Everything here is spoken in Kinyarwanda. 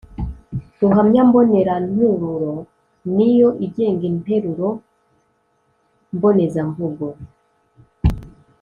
ruhamwa mbonerantururo ni yo igenga interuro mbonezamvugo,